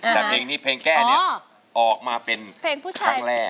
แต่เพลงนี้เพลงแก้นี้ออกมาเป็นเพลงผู้ชายครั้งแรก